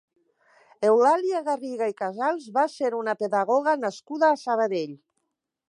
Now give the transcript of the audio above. Eulàlia Garriga i Casals va ser una pedagoga nascuda a Sabadell.